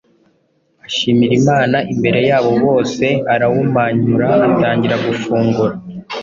ashimira Imana imbere yabo bose, arawumanyura, atangira gufungura.